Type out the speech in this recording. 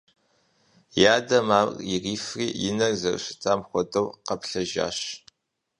И адэм ар ирифри и нэр зэрыщытам хуэдэу къэплъэжащ.